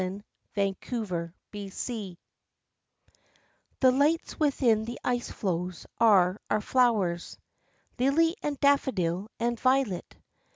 XIV Flowers of Ice The lights within the ice floes are our flowers, Lily and daffodil and violet.